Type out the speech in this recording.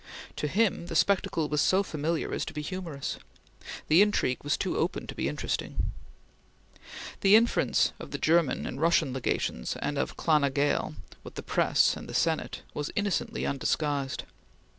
To him, the spectacle was so familiar as to be humorous. The intrigue was too open to be interesting. The interference of the German and Russian legations, and of the Clan na Gael, with the press and the Senate was innocently undisguised.